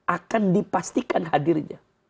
akan dipastikan hadirnya